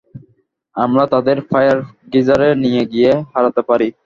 আমরা তাদের ফায়ার গিজারে নিয়ে গিয়ে হারাতে পারি।